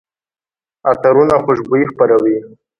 عطرونه خوشبويي خپروي.